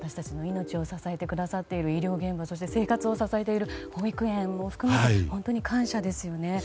命を支えてくださっている医療現場そして生活を支えている保育園も含めて、本当に感謝ですね。